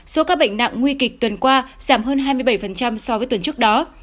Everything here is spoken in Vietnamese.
số ca bệnh nặng nguy kịch tuần qua giảm hơn hai mươi bảy so với tuần trước đó